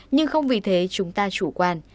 nhưng không vì thế chúng ta chủ quan